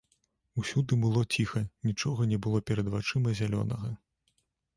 Усюды было ціха, нічога не было перад вачыма зялёнага.